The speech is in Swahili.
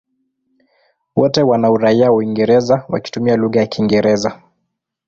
Wote wana uraia wa Uingereza wakitumia lugha ya Kiingereza.